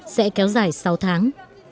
sẽ kéo dài sáu tháng